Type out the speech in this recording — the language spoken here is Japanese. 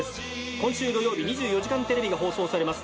今週土曜日『２４時間テレビ』が放送されます。